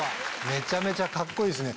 めちゃめちゃカッコいいっすね。